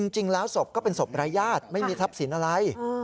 จริงแล้วศพก็เป็นศพรายญาติไม่มีทรัพย์สินอะไร